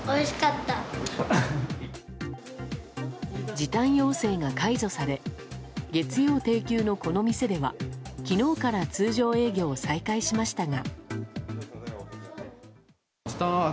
時短要請が解除され月曜定休の、この店では昨日から通常営業を再開しましたが。